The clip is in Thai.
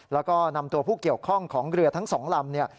แล้วก็นำตัวผู้เกี่ยวข้องของเรือทั้งสองลำเนี่ย